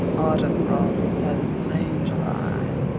Autumn frosts have slain July.